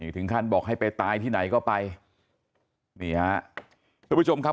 ถึงขั้นบอกให้ไปตายที่ไหนก็ไปนี่ฮะทุกผู้ชมครับ